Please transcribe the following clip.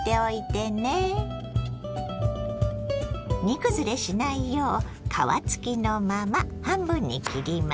煮崩れしないよう皮付きのまま半分に切ります。